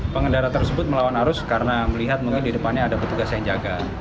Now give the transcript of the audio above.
pengendara tersebut melawan arus karena melihat mungkin di depannya ada petugas yang jaga